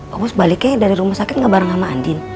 pak bos baliknya dari rumah sakit nggak bareng sama andin